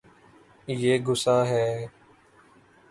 یے گصاہ ہے